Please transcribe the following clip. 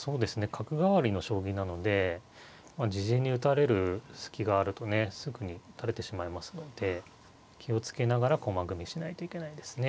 角換わりの将棋なので自陣に打たれる隙があるとねすぐに打たれてしまいますので気を付けながら駒組みしないといけないですね。